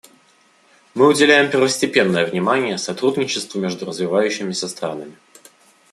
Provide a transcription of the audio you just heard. Мы уделяем первостепенное внимание сотрудничеству между развивающимися странами.